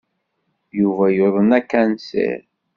Yuba yuḍen akansir.